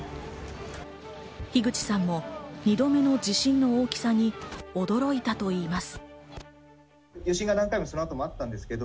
樋口さんも２度目の地震の大きさに驚いたといいます。